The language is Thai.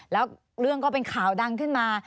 แล้วเรื่องก็เป็นข่าวดังขึ้นมา